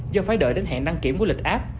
do phải đợi đến hẹn đăng kiểm của lịch app